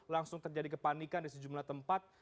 langsung terjadi kepanikan di sejumlah tempat